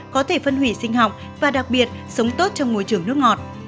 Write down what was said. có thể phân hủy sinh học và đặc biệt sống tốt trong môi trường nước ngọt